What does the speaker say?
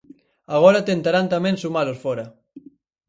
Agora tentarán tamén sumalos fóra.